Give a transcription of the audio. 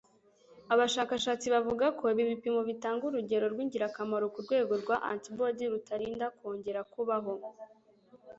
Abashakashatsi bavuga ko ibi bipimo bitanga urugero rwingirakamaro kurwego rwa antibody rutarinda kwongera kubaho.